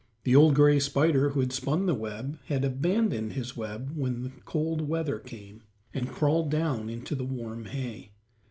The old gray spider who had spun the web had abandoned his web when cold weather came, and crawled down into the warm hay.